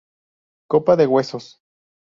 Copa de huesos.